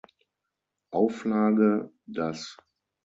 Auflage, das.